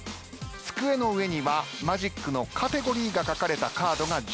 机の上にはマジックのカテゴリーが書かれたカードが１２枚あります。